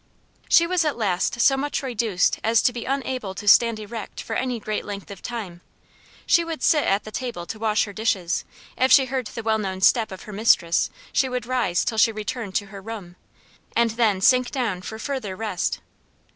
She was at last so much reduced as to be unable to stand erect for any great length of time. She would SIT at the table to wash her dishes; if she heard the well known step of her mistress, she would rise till she returned to her room, and then sink down for further rest.